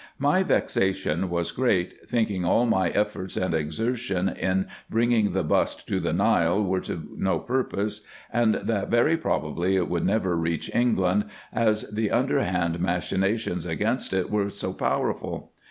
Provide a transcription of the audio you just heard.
My vexation was great, thinking all my efforts and exertion in bringing the bust to the Nile were to no purpose, and that very probably it would never reach England, as the underhand machinations against it were so powerful.